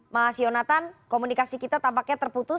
mas yonatan komunikasi kita tampaknya terputus